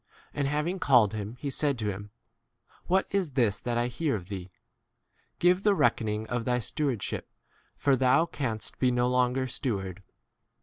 And having called him, he said to him, What [is] this that I hear of thee ? give the rec koning of thy stewardship, for thou 3 canst be no longer steward.